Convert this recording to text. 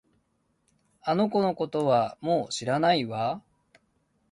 あの子のことはもう知らないわ